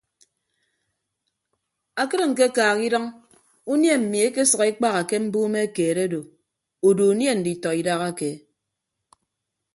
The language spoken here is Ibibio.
Akịd ñkekaaha idʌñ unie mmi ekesʌk ekpaha ke mbume keed ado udu unie nditọ idahake.